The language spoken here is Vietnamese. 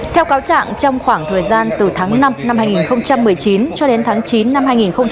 theo cáo trạng trong khoảng thời gian từ tháng năm năm hai nghìn một mươi chín cho đến tháng chín năm hai nghìn hai mươi